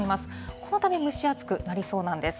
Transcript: このため蒸し暑くなりそうなんです。